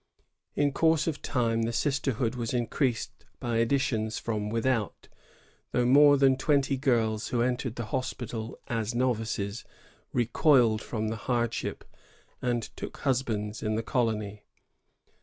In course of time, the sisterhood was increased by additions from without, — though more than twenty girls who entered the hospital as novices recoiled from the hardship, and took husbands in the colony.